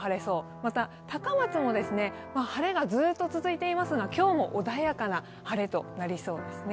また高松も晴れがずっと続いていますが、今日も穏やかな晴れとなりそうですね。